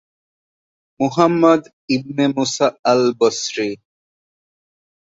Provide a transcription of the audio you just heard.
Muhammad ibn Musa al-Basri